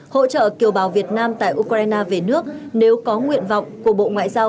hỗ trợ kiều bào việt nam tại ukraine về nước nếu có nguyện vọng của bộ ngoại giao